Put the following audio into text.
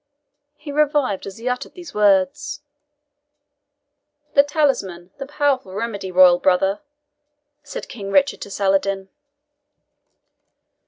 He revived as he uttered these words. "The talisman the powerful remedy, royal brother!" said King Richard to Saladin.